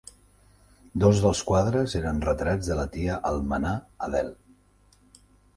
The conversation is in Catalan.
Dos dels quadres eren retrats de la tia d'Altmannha, Adele.